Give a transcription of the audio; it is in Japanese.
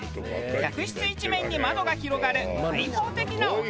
客室一面に窓が広がる開放的なお部屋。